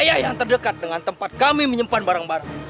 saya yang terdekat dengan tempat kami menyimpan barang barang